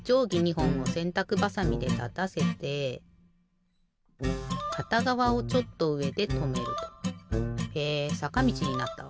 ほんをせんたくばさみでたたせてかたがわをちょっとうえでとめると。へえさかみちになったわ。